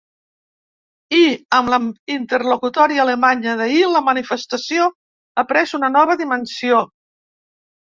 I amb la interlocutòria alemanya d’ahir la manifestació ha pres una nova dimensió.